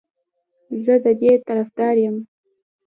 زه د دې طرفدار یم